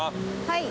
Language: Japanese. はい。